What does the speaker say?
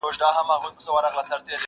خامخا به څه سُرور د پیالو راوړي,